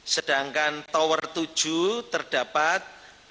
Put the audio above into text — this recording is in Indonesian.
sedangkan tower tujuh terdapat dua empat ratus tujuh puluh dua